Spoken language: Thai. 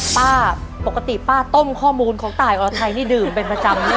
ป้าปกติป้าต้มข้อมูลของตายอรไทยนี่ดื่มเป็นประจำนะ